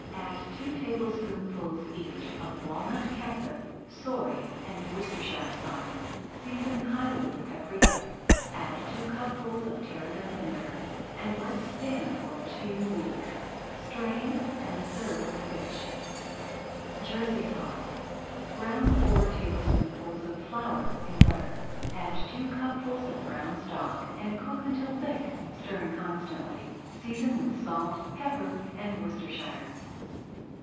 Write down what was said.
Add two tablespoonfuls each of walnut catsup, soy, and Worcestershire sauce. Season highly with paprika, add two cupfuls of tarragon vinegar, and let stand for two weeks. Strain, and serve with fish. [Page 28] JERSEY SAUCE Brown four tablespoonfuls of flour in butter, add two cupfuls of brown stock and cook until thick, stirring constantly. Season with salt, pepper, and Worcestershire.